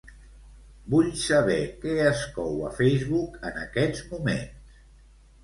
Vull saber què es cou a Facebook en aquests moments.